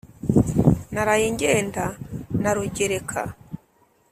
naraye ngenda na rugereka